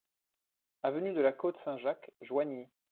Avenue de la Côte Saint-Jacques, Joigny